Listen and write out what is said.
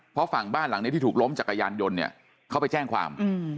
เพราะฝั่งบ้านหลังนี้ที่ถูกล้มจักรยานยนต์เนี่ยเขาไปแจ้งความ